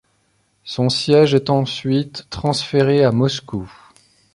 Son siège est ensuite transféré à Moscou.